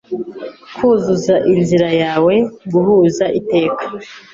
Kuzuza inzira yawe - guhuza iteka: